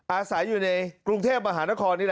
อาศัยอยู่ในกรุงเทพฯมหานคร